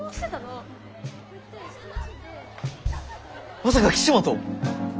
まさか岸本？